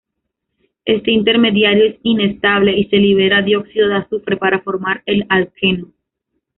Este intermediario es inestable y se libera dióxido de azufre para formar el alqueno.